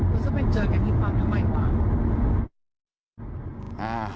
ก็จะไปเจอกันอีกประมาณหนึ่งใหม่กว่า